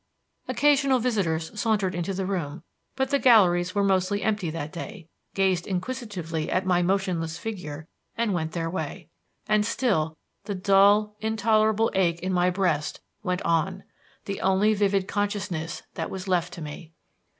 Occasional visitors sauntered into the room but the galleries were mostly empty that day gazed inquisitively at my motionless figure, and went their way. And still the dull, intolerable ache in my breast went on, the only vivid consciousness that was left to me.